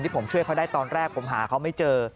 ผมช่วยเขาได้ตอนแรกผมหาเขาไม่เจอ